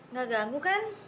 nggak ganggu kan